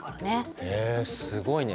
へえすごいね。